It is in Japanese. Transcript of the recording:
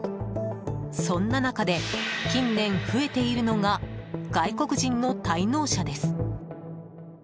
そんな中で近年増えているのが外国人の滞納者です。